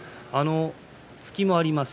突きもあります。